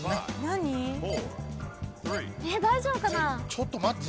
ちょっと待って。